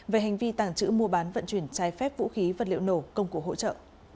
về hành vi tàng trữ mua bán vận chuyển trái phép vũ khí vật liệu nổ công cụ hỗ trợ